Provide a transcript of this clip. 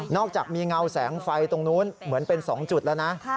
อกจากมีเงาแสงไฟตรงนู้นเหมือนเป็น๒จุดแล้วนะ